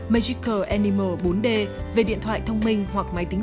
magical animal bốn d về điện thoại thông minh